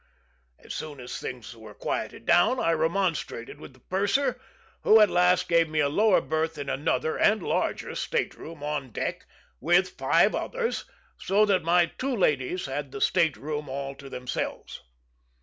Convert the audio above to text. As soon as things were quieted down I remonstrated with the purser, who at last gave me a lower berth in another and larger state room on deck, with five others, so that my two ladies had the state room all to themselves.